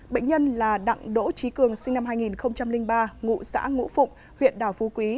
bệnh nhân là đặng đỗ trí cường sinh năm hai nghìn ba ngụ xã ngũ phụng huyện đảo phú quý